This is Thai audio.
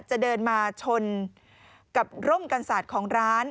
จะเดินมาชนกรมกันอันสารของร้าน